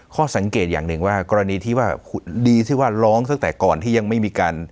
ข้อสังเกตอย่างหนึ่งว่ากรณีที่ว่าดีที่ว่าร้องตั้งแต่ก่อนที่ยังไม่มีการ